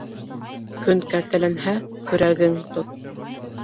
Көн кәртәләнһә, көрәгең тот.